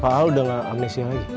pak al udah gak amnesia lagi